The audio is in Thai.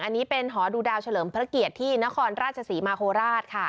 อันนี้เป็นหอดูดาวเฉลิมพระเกียรติที่นครราชศรีมาโคราชค่ะ